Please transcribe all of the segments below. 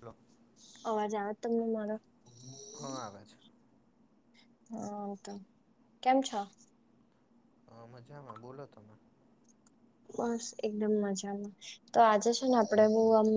Hello અવાજ આવે તમને મારો? હ આવે છે. હ તો કેમ છો? અ મજામાં બોલો તમે. બસ એકદમ મજામાં, તો આજે છે ને આપડે બું આમ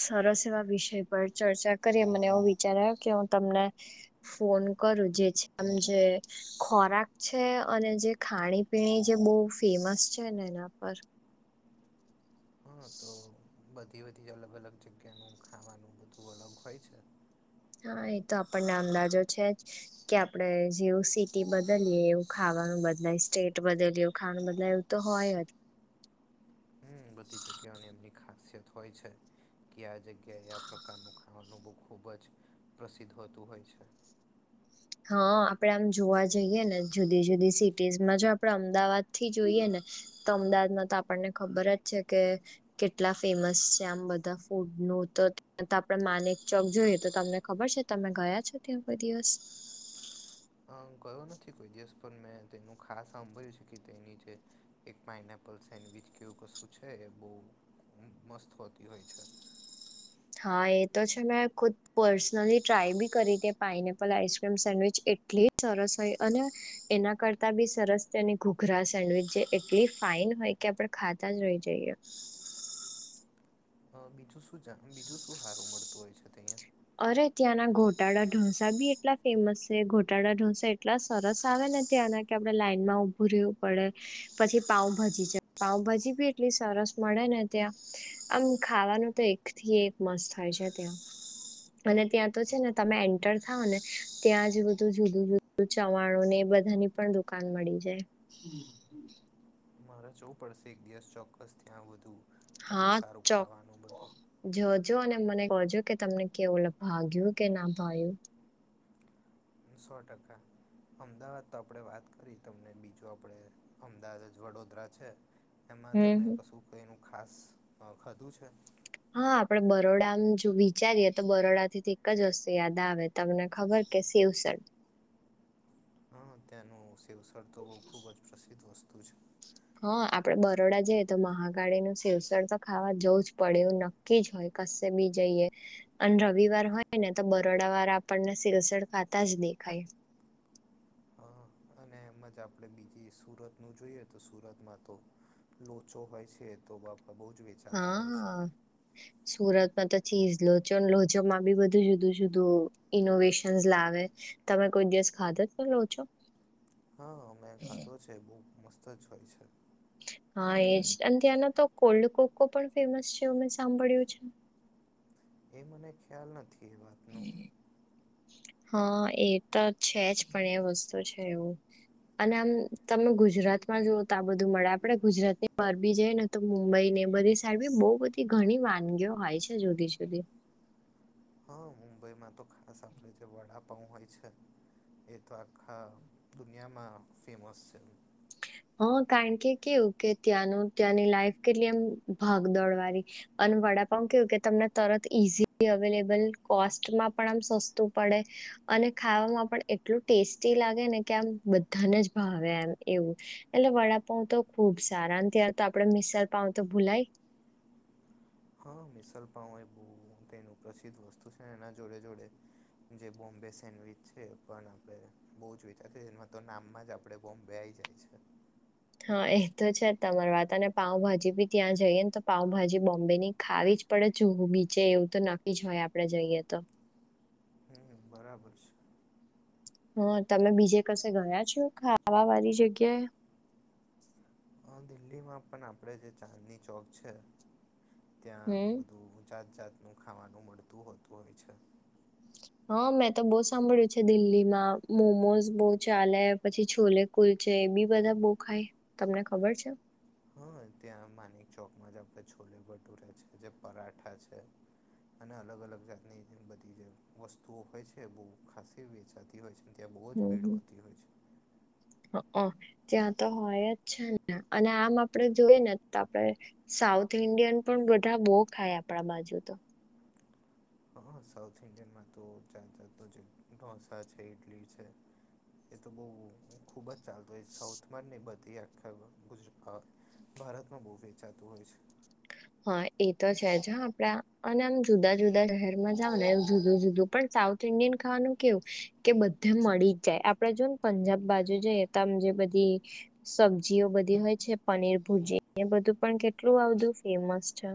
સરસ એવા વિષય પર ચર્ચા કરી મને એવું વિચાર આયો કે હું તમને. ફોન કરું જે છે આમ જે. ખોરાક છે અને જે ખાણી પીણી જે બહુ ફેમસ છે ને એના પર. હા તો બધી બધી અલગ અલગ જગ્યાનું ખાવાનું બધું અલગ હોય છે. હા એ તો આપણને અંદાજો છે જ. કે આપડે જેવું સિટી બદલીએ એવું ખાવાનું બદલાય સ્ટેટ બદલીએ એવું ખાવાનું બદલાયું. તો હોય જ. હમ્મ બધી જગ્યાઓની એમની ખાસિયત હોય છે, કે આ જગ્યાએ આ પ્રકારનું ખા વાનું બઉ ખૂબ જ પ્રસિદ્ધ હોતું હોય છે. હા આપડે આમ જોવા જઈએ ને જુદી જુદી સિટીઝમાં જો આપણેે અમદાવાદ થી જોઈએ ને. તો અમદાવાદમાં તો આપણને ખબર જ છે કે કેટલા ફેમસ છે આમ બધા ફૂડ નું તો તો આપડે માનેક ચોક જોઈએ તો તમને ખબર છે તમે ગયા છો ત્યાં કોઈ દિવસ? હા ગયો નથી કોઈ દિવસ પણ મેં તેનું ખાસ સાંભળ્યું છે કે તેની જે એક પાઇનએપલ સેન્ડવીચ કેવું કશું છે એ બહુ મસ્ત હોતી હોય છે. હા એ તો છે મેં ખુદ પર્સનલી ટ્રાય બી કરી કે પાઇનેપલ આઈસક્રીમ સેન્ડવીચ એટ એટલી સરસ હોય અને એના કરતા બી સરસ તેની ઘુઘરા સેન્ડવીચ જે એટલી ફાઈન હોય કે આપડે ખાતા જ રહી જઈએ. હા બીજું શું જાતનું બીજું શું હારુ મળતું હોય છે અહીંયા? અરે ત્યાંના ગોટાળા ઢોસા બી એટલા ફેમસ છે ગોટાળા ઢોસા એટલા સરસ આવે ને ત્યાંના કે આપડે લાાઈનમાં ઉભું રહેવું પડે. પછી પાઉભાજી છે પાઉભાજી ભી એટલી સરસ મળે ને ત્યાં. આમ ખાવાનું તો એક થી એક મસ્ત થાય છે ત્યાં. અને ત્યાં તો છે ને તમે એન્ટર થાવ ને ત્યાં જે બધું જુદું જુદું ચવાણો ને બધાની પણ દુકાન મળી જાય. મારે જવું પડશે એક દિવસ ચોક્કસ ત્યાં વધુ, આટલું સારું ખાવાનું બધું. જોજો અને મને કોજો કે તમને કેવું ભાગ્યું કે ના ભાયું સો ટકા અમદાવાદ તો આપડે વાત કરી તમને બીજું આપણે અમદાવાદ જ વડોદરા છે. એમાં હમ તમે હમ. કશું કંઈનું ખાસ ખધું છે. હા આપડે બરોડા જો વિચારીએ તો બરોડા થીથી એક જ વસ્તુ યાદ આવે તમને ખબર કે સવ સ હા ત્યાંનું શેવસર તો બહુ ખુબ જ પ્રસિદ્ધ વસ્તુ છે. હા આપડે બરોડા જઈએ તો મહાકાળીનું સેવસણ તો ખાવા જવું જ પડ્યું કીજ હોય કશેબી જઈએ. અને રવિવાર હોય નેતો બરોડા વારા આપણને સિલસડ ખાતા જ દેખાય. હ અને એમ જ આપણે બીજી સુરતનું જોઈએ તો સુરતમાં તો લોચો હોય છે, તો બાપા બહુ જ વધી. હા [inaudible] સુરતમાં તોચી લોચો લોચો માં ભી બધું જુદું જુદું ઇનોવેશનસ લાવે તમે કોઈ દિવસ ખાધો જ પણ રહો છો. હા અમે ખાધો છે, બહુ મસ્ત જ હોય છે. હા એજ અને ત્યાંના તો કોલ્ડ કોકો પણ ફેમસ છે, અ સાંભળ્યું છે. એ મને ખ્યાલ નથી, એ વાતનો હા એતો છે, જ પણ એ વસ્તુ છે, એવું અને આમ તમે ગુજરાતમાં જુઓ તોઆ બધું મળે આપડે ગુજરાત ની પરરબી જઈને, તો મુંબઈને બધી સાઈડબી બહુ બધી ઘણી વાનગીઓ હોય છે, જુદી જુદી હા મુંબઈમાં તો ખાસ આપણે જે વડાપાઉં હોય છે. એતો આખા દુનિયામાં ફેમસ છે. હા કારણ કે કેવું કે ત્યાંનું ત્યાંની લાઈફ કેટલી એમ ભાગ દોડવાની અને વડાપાઉ કેવું કે તમને તરત ઈઝીલી અવેલેબલ કોસ્ટમાં પણ આમ સસ્તું પડે અને ખાવામાં પણ એટલું ટેસ્ટી લાગે નેકે આમ બધાને જ ભાવે એમ એવું એટલે વડાપાઉં તો ખુબ સારા અને ત્યાં તો આપડે મિશલ પાઉ તો ભૂલાય. હા મિસલપાવ એ બહુ તેનું પ્રસિદ્ધ વસ્તુ છે, એના જોડે જોડે, જે બોમ્બે સેન્ડવીચ છે, પણ આપણે બહુ જ વિચાર એમાં તો નામમાં જ આપડે બોમ્બેય આવી જાય છે. હા એતો છે, તમારી વાત અને પાઉંભાજી ભી ત્યાં જઈએ નેતો પાઉંભાજી બોમ્બેની ખાવીજ પડે જુવું બીચે એવું તો નક્કી જ હોય આપડે જઈએ તો હા બરાબર છે. હા તમે બીજે કસે ગયા છો, ખાવા વાળ જગ્યાએ. હ દિલ્હીમાં પણ આપણે જે ચાંદની ચોક છે. ત્યાં હમ બધું જાત જાતનું ખાવાનું મળતું હોતું હોય છે. હા મેંતો બહુ સાંભળ્યું છે, દિલ્હીમાં મોમોઝ બહુ ચાલે પછી છોલે. કુલચે એબી બધા બોવ ખાય તમને ખબર છે. હા ત્યાં માનિકચોકમાં જ આપણે છોલે ભટુરે છે, જે પરાઠા છે. અને અલગ અલગ જાતની બધી જે વસ્તુઓ હોય છે, બહુ ખાસસી વેચાતી હોય છે. ત્યાં બહુ જ હમ ભીડ હમ હોતી હોય છે. ત્યાં તો હોય જ છે, ને અને આમ આપડે જોઈએ, ને આપડે સાઉથ ઇન્ડિયન પણ બધા બહુ ખાય આપણા બાજુ તો, હા સાઉથ ઇન્ડિયનમાં તો ચાતાતો ઢોસા છે, ઈડલી છે. એતો બહુ ખૂબ જ ચાલતો હોય સાઉથમાં ને બધી આખા ગુજરાતમાં, ભારતમાં બહુ વેચાતું હોય છે. હા એતો છે, જ હા આપડા અને આમ જુદા જુદા શહેરમાં જાવ ને જુદું જુદું પણ સાઉથ એમ ઇન્ડિયન ખાવાનું કેવું કે બધે મળી જ જાય આપડે જોને પંજાબ બાજુ જેમ જે બધી, સબ્જીઓ બધી હોય છે, પનીર ભુજી એ બધું પણ કેટલું આવધું ફેમસ છે.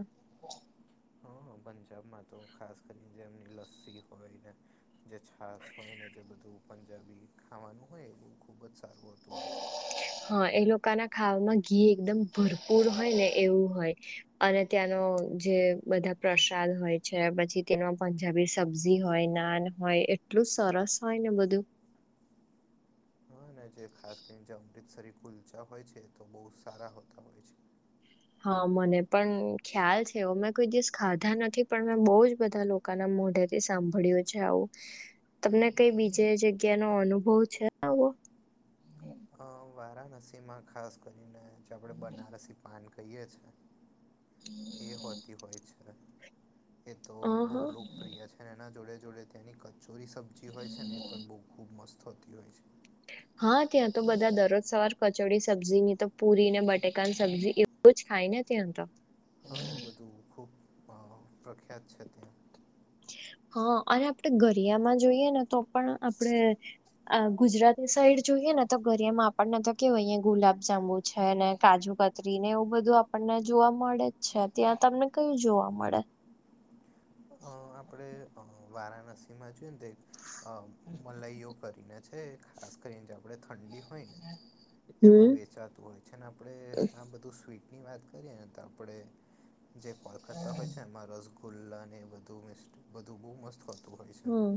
હા પંજાબમાં તો ખાસ કરીને જેમની લસ્સી હોય ને જે છાસ હોયને જે બધું પંજાબી ખાવાનું હોય એ બધું ખૂબ જ સારું હોતું હોય છે હા એ લોકોના ખાવામાં ઘી એકદમ ભરપૂર હોય ને એવું હોય અને ત્યાંનો જે બધા પ્રસાદ હોય છે પછી તેનો પ જાબી સબ્જી હોય નાન હોય એટલું સરસ હોયને બધું હાને જે ખાસ કરીને જે અમૃતસરી કુલચા હોય છે તો બહુ સારા હોતા હોય છે. હા મને પણ ખ્યાલ છે મેં કોઈ દિવસ ખાધા નથી પણ મેં બહુ જ બધા લોકો કને મોઢેથી સાંભળ્યું છે આવું તમને કઈ બીજે જગ્યા નો અનુભવ છે આવો અ વારાણસીમાં ખાસ કરીને જે આપણે બનારસી પાન ખહીએ છે એ હોતી હોય છે એ તો અ બહુ હા લોકપ્રિય છે. અને એના જોડે જોડે ત્યાંની કચોરી સબ્જી હોય છે ને એ પણ બહુ ખૂબ મસ્ત હોતી હોય છે. હા ત્યાં તો બધા દરરોજ સવાર કચોડી સબ્જી ની તો પુરી ને બટેકાન સબ્જીએ બઉ જ ખાય ને ત્યાં તો હા એ બધું ખૂબ અ પ્રખ્યાત છે ત્યાં હા અને આપણે ગરિયામાં જોઈએ ને તો પણ આપડે આ ગુજરાતી સાઈડ જોઈએ ને તો ગરિયામાં આપણને તો કેવાય અહીંયા ગુલાબ જાંબુ છે ને કાજુ કા તરી ને એવું બધું આપણને જોવા મળે જ છે ત્યાં તમને કયું જોવા મળે અ આપણે વારાણસીમાં જોયએ ને તો મલાઈઓ કરીને છે ખાસ કરીને જાઓ આપણે ઠંડી હોય ને એમાં હમ વેચાતું હોય છે ને આપણે આ બધું સ્વીટ ની વાત કરીએ ને તો આપણે જે કોલકતા હોય છે એમાં રસગુલ્લા ને એવુ બધું મિસ્ટ બધું બહુ મસ્ત હોતું હોય છે હમ્મ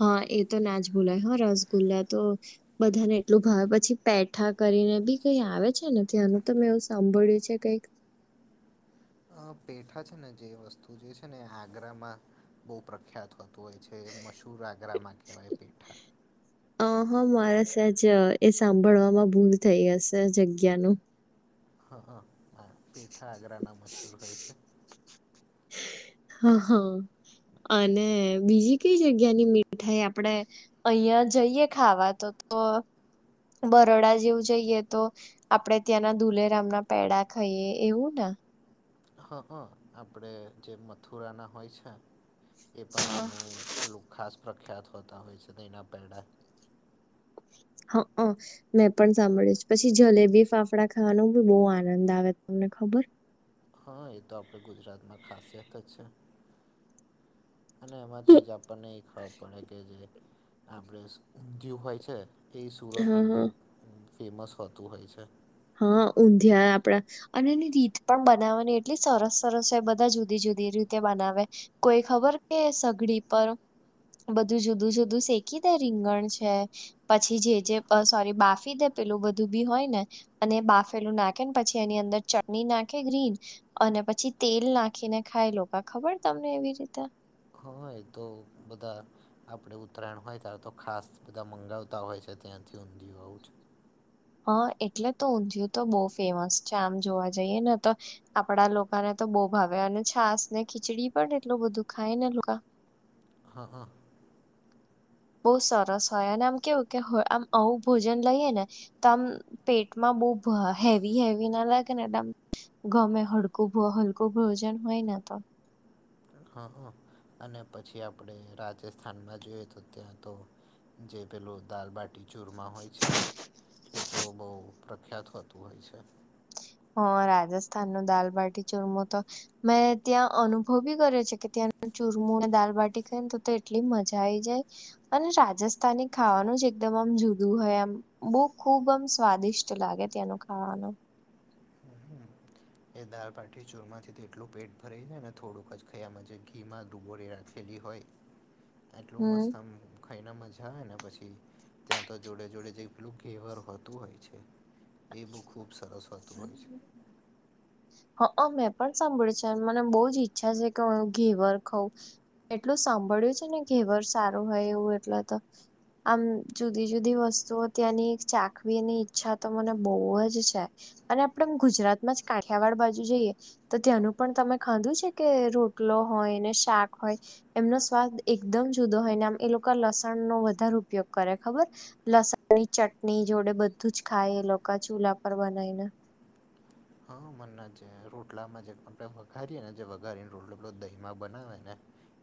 હા એ તો ના જ ભૂલાય હ રસગુલ્લા તો બધાને એટલું ભાવે પછી પેઠા કરીને બી કઈ આવે છે ને ત્યાંનું તો મેં એવું સાંભળ્યું છે કઈક અ પેઠા છે ને જે વસ્તુ જે છે ને આગ્રામાં બહુ પ્રખ્યાત હોય તો હોય છે મશૂર આગ્રામાં કહેવાય પેઠા અ હા મારે સજ એ સાંભળવામાં ભૂલ થઈ હશે જગ્યાનું હ હ હા પેઠા આગ્ર ના મશૂર હોય છે. હા હા અને બીજી કઈ જગ્યા ની મીઠાઈ આપડે અહિયાં જઈએ ખાવા તો તો બરોડા જેવું જઈએ તો આપડે ત્યાંના ધુલેરામ ના પેડા ખાઈએ એવું ને હા હ આપણે જે મથુરાના હોય છે. એ પણ એમનું પેલું ખાસ પ્રખ્યાત હોતા હોય છે દૂધઈના પેડા હા હ મેં પણ સાંભળી પછી જલેબી ફાફડા ખાવાનું બી બહુ આનંદ આવે તમને ખબર હા એ તો આપણે ગુજરાતમાં ખાસિયત જ છે અને એમાંથી જ આપણને એ ખબર પડે કે જે આપડે ઊંધયું હોય છે એ હા સુરતનું બહુ હા ફેમસ હોતું હોય છે. હા ઊંધિયા આપડા અને એની રીત પણ બનાવવાની એટલી સરસ સરસ હોય બધા જુદી જુદી રીતે બનાવે કોઈ ખબર કે સઘડી પર બધું જુદું જુદું શેકી દે રીંગણ છે. પછી જે જે સોરી બાફી દે પેલું બધું બી હોય ને અને બાફેલું નાખેને પછી એની અંદર ચટણી નાખે ગ્રીન અને પછી તેલ નાખીને ખાય લોકો ખબર તમને એવી રીતે હા એ તો બધા આપડે ઉત્તરાયણ હોય ત્યારે તો ખાસ બધા મંગાવતા હોય છે ત્યાંથી ઊંધિયુ જ હા એટલે તો ઊંધિયું તો બહુ ફેમસ છે આમ જોવા જઈએ ને તો આપડા લોકોને તો બહુ ભાવે અને છાસ ને ખીચડી પણ એટલું બધું ખાય ને લોકો. હા હા. બહુ સરસ હોય અને આમ કેવું કે આમ આવું ભોજન લઈએ ને. તમ પેટમાં બહ હેવી હેવી ના લાગે ને. ગમે હલકું હલકું ભોજન હોય ને તો. હ હ અને પછી આપણે રાજસ્થાનમાં જોઈએ તો ત્યાં તો. જે પેલું દાલબાટી ચૂરમાં હોય છે. એ તો બહુ પ્રખ્યાત હોતું હોય છે. હ રાજસ્થાન ન દાલબાટી ચુરમું તો. મેં ત્યાં અનુભવ બી કર્યો છે કે ત્યાં ચુરમુ અને દાલબાટી ખાય ને તો એટલી મજા આઈ જાય. અને રાજસ્થાની ખાવાનું જ એકદમ આમ જુદું હોય એમ. બહુ ખુબ આમ સ્વાદિષ્ટ લાગે ત્યાંનું ખાવાનું. [unintelligible] [inaudible] એ દળ પાટી ચૂરમાથી તેટલું પેટ ભરાઈ જાય ને થોડુંક જ ખયામાં ઘી માં ડુબોરી રાખી. ખેદી હોય. [unintelligible] [inaudible] એટલોું હમ મસ્તમ. ખાઈને મજા આવેય ને પછી ત્યાં તો જોડે જોડે જેઈ પેલું ઘેવર હોતું હોય છે. એ બુક ખૂબ સરસ વાત. હા. અ મેં પણ સાંભળ્યું છે મને બહુ જ ઈચ્છા છે કે હ ઘેવર ખઉં. એટલું સાંભળ્યું છે ને ઘેવર સારું હોય એવું એટલા તો. આમ જુદી જુદી વસ્તુઓ ત્યાંની ચાખવીની ઈચ્છા તો મને બહુ જ છે. અને આપડેમ ગુજરાતમાં જ કાઠિયાવાડ બાજુ જઈએ. તો ત્યાંનું પણ તમે ખાધું છે કે રોટલો હોય ને શાક હોય. એમનો સ્વાદ એકદમ જુદો હોય ને આમ એ લોકો લસણનોો વધારે ઉપયોગ કરે ખબર. લસણ ની ચટણી જોડે બધું જ ખાય એ લોકો ચૂલા પર બનાવી ને. હા મના જે રોટલામાં જે આપણે વઘારીએે ને જે વઘારીને રોટલો પે દહીમા બનાવે ને.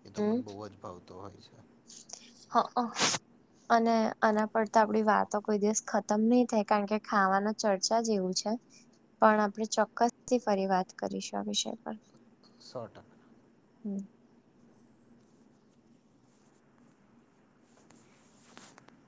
એ તો હમ મને બહુ જ ભાવતો હોય છે. હ હ. અને આના પર તો આપડી વાતો કોઈ દિવસ ખતમ નહી થાય કારણ કે ખાવાનો ચર્ચા જેવું છે. પણ આપણે ચોક્કસથી ફરી વાત કરીશું આ વિષય પર. સો ટાકા. હમ.